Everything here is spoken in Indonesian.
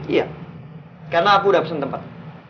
iya karena aku udah pesen tempat